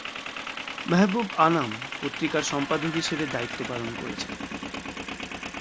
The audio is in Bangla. মাহবুব আনাম পত্রিকার সম্পাদক হিসাবে দায়িত্ব পালন করেছেন।